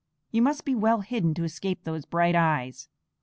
You must be well hidden to escape those bright eyes.